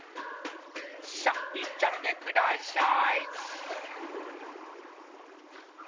さっいっちゃってください